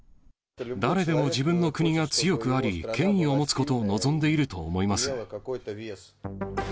誰でも自分の国が強くあり、権威を持つことを望んでいると思います。